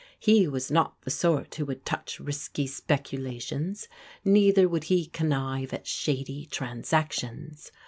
He was not the sort who would touch risl^ speculation^ neither would he connive at shady transactions.